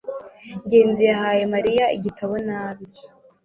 ngenzi yahaye mariya igitabo nabi